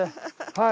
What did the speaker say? はい。